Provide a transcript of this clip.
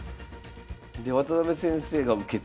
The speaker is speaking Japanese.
で渡辺先生が受けてるんや。